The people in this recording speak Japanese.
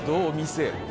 店。